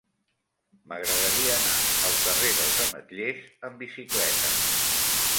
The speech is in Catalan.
M'agradaria anar al carrer dels Ametllers amb bicicleta.